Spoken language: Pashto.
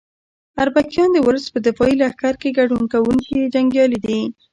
اربکیان د ولس په دفاعي لښکر کې ګډون کوونکي جنګیالي دي.